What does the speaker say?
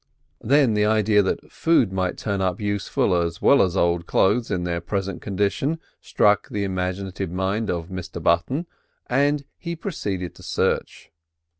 Then the idea that food might turn up useful as well as old clothes in their present condition struck the imaginative mind of Mr Button, and he proceeded to search.